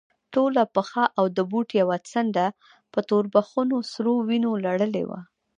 ټوله پښه او د بوټ يوه څنډه په توربخونو سرو وينو لړلې وه.